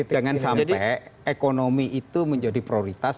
jangan sampai ekonomi itu menjadi prioritas